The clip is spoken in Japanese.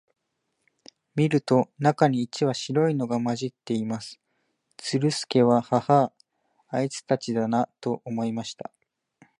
見ると、中に一羽白いのが混じっています。ズルスケは、ハハア、あいつたちだな、と思いました。